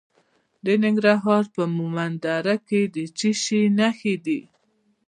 د ننګرهار په مومند دره کې د څه شي نښې دي؟